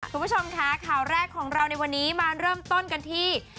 คุณผู้ชมค่ะข่าวแรกของเราในวันนี้มาเริ่มต้นกันที่